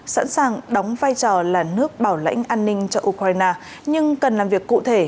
sẵn sàng đóng vai trò là nước bảo lãnh an ninh cho ukraine nhưng cần làm việc cụ thể